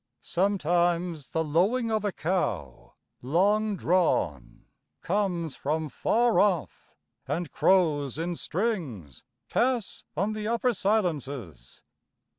Sometimes the lowing of a cow, long drawn, Comes from far off; and crows in strings Pass on the upper silences.